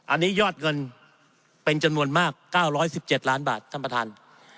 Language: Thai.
อันนี้ยอดเงินเป็นจำนวนมาก๙๑๗ล้านบาทท่านประธาน